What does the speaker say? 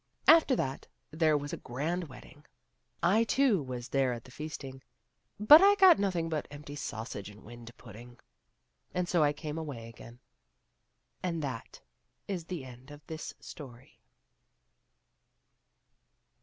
After that there was a grand wedding. I too was there at the feasting^ but I got nothing but empty sausage and wind pudding, and so I came away again. And that is the end of this story.